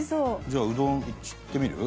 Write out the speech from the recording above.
じゃあうどんいってみる？